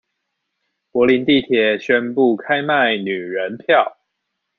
柏林地鐵宣布開賣女人票